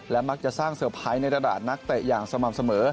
และมักจะสร้างเซอร์ไพรส์ในระดับนักเตะอย่างสม่ำเสมอ